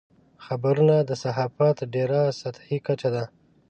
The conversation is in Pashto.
خبرونه د صحافت ډېره سطحي کچه ده.